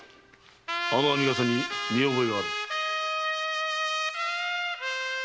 あの編み笠に見覚えがあろう？